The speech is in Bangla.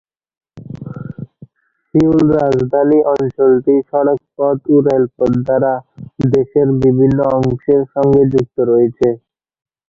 সিউল রাজধানী অঞ্চলটি সড়ক পথ ও রেলপথ দ্বারা দেশের বিভিন্ন অংশের সঙ্গে যুক্ত রয়েছে।